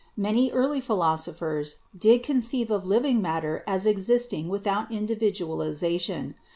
Many early philosophers did conceive of living matter as exist ing without individualization.